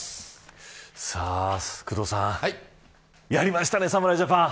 工藤さんやりましたね、侍ジャパン。